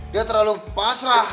dia terlalu pasrah